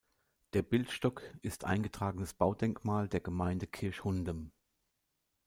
Der Bildstock ist eingetragenes Baudenkmal der Gemeinde Kirchhundem.